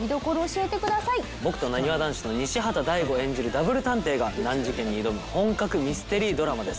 ダブル探偵が難事件に挑む本格ミステリードラマです。